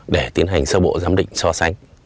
để tiến hành sơ bộ giám định so sánh